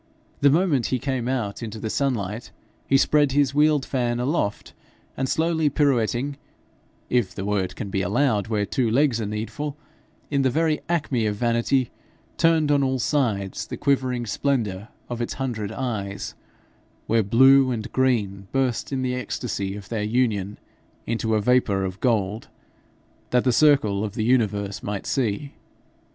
The moment he came out into the sunlight, he spread his wheeled fan aloft, and slowly pirouetting, if the word can be allowed where two legs are needful, in the very acme of vanity, turned on all sides the quivering splendour of its hundred eyes, where blue and green burst in the ecstasy of their union into a vapour of gold, that the circle of the universe might see.